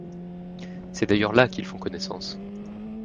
C'est d'ailleurs là qu'ils font connaissance.